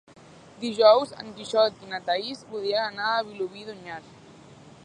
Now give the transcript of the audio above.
Dijous en Quixot i na Thaís voldrien anar a Vilobí d'Onyar.